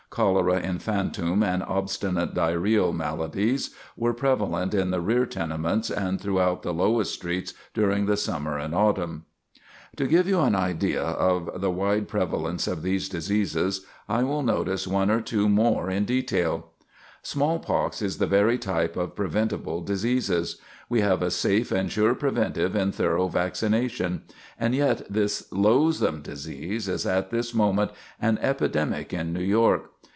Cholera infantum and obstinate diarrhoeal maladies were prevalent in the rear tenements and throughout the lowest streets during the summer and autumn. To give you an idea of the wide prevalence of these diseases, I will notice one or two more in detail. [Sidenote: Smallpox] Smallpox is the very type of preventable diseases. We have a safe and sure preventive in thorough vaccination. And yet this loathsome disease is at this moment an epidemic in New York.